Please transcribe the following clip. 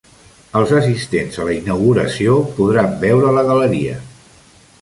Els assistents a la inauguració podran veure la galeria.